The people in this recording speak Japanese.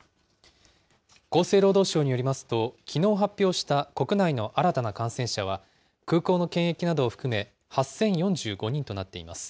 厚生労働省によりますと、きのう発表した国内の新たな感染者は、空港の検疫などを含め、８０４５人となっています。